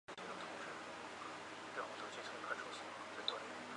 他是皇帝康拉德二世的父亲。